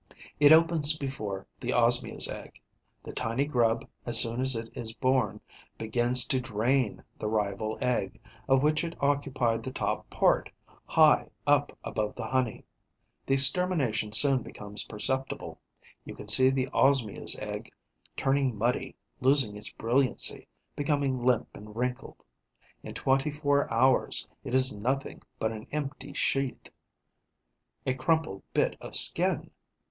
It opens before the Osmia's egg. The tiny grub, as soon as it is born, begins to drain the rival egg, of which it occupied the top part, high up above the honey. The extermination soon becomes perceptible. You can see the Osmia's egg turning muddy, losing its brilliancy, becoming limp and wrinkled. In twenty four hours, it is nothing but an empty sheath, a crumpled bit of skin.